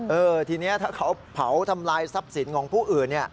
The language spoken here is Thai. เออทีนี้ถ้าเขาเผาทำลายทรัพย์สินของผู้อื่น